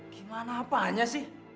gimana apaannya sih